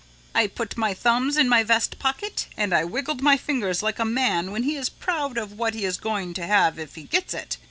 "I put my thumbs in my vest pocket and I wiggled my fingers like a man when he is proud of what he is going to have if he gets it.